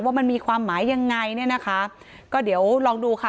ว่ามันมีความหมายยังไงเนี่ยนะคะก็เดี๋ยวลองดูค่ะ